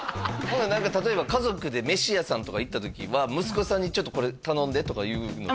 何か例えば家族で飯屋さんとか行った時は息子さんに「ちょっとこれ頼んで」とか言うの？